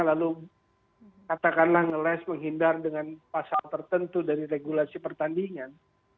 lalu katakanlah ngeles menghindar dengan pasal tertentu dari regulasi pertandingan